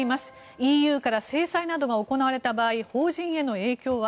ＥＵから制裁などが行われた場合邦人への影響は？